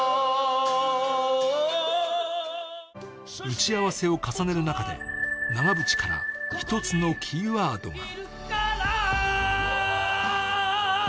打ち合わせを重ねる中で、長渕から１つのキーワードが。